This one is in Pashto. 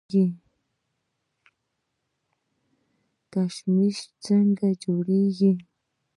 کشمش څنګه جوړیږي؟